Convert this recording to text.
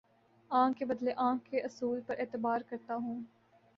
آنکھ کے بدلے آنکھ کے اصول پر اعتبار کرتا ہوں